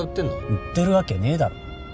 売ってるわけねえだろ。